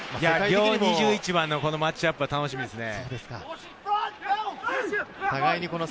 ２１番のマッチアップは楽しみですね。